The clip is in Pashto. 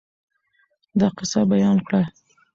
دا قصه بیان کړه.